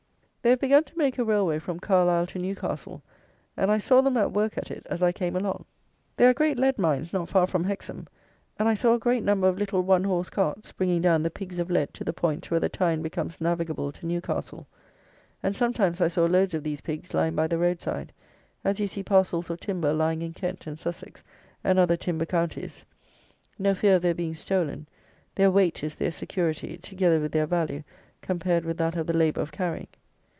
They have begun to make a railway from Carlisle to Newcastle; and I saw them at work at it as I came along. There are great lead mines not far from Hexham; and I saw a great number of little one horse carts bringing down the pigs of lead to the point where the Tyne becomes navigable to Newcastle; and sometimes I saw loads of these pigs lying by the road side, as you see parcels of timber lying in Kent and Sussex, and other timber counties. No fear of their being stolen: their weight is their security, together with their value compared with that of the labour of carrying.